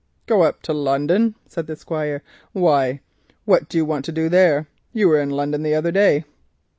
"Go up to London!" said the Squire; "why what are you going to do there? You were in London the other day."